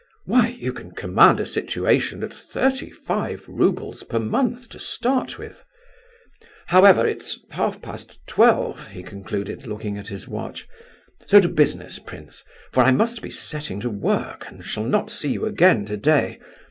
Why, you can command a situation at thirty five roubles per month to start with. However, it's half past twelve," he concluded, looking at his watch; "so to business, prince, for I must be setting to work and shall not see you again today.